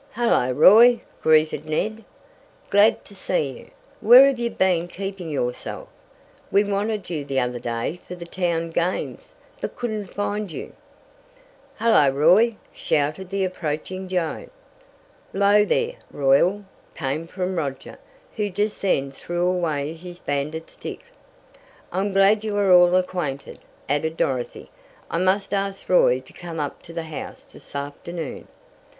"Hello, Roy!" greeted Ned. "Glad to see you. Where have you been keeping yourself? We wanted you the other day for the town games, but couldn't find you." "Hello, Roy!" shouted the approaching Joe. "'Low there, Royal!" came from Roger, who just then threw away his bandit stick. "I'm glad you are all acquainted," added Dorothy. "I must ask Roy to come up to the house this afternoon."